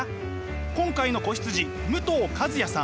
今回の子羊武藤一也さん。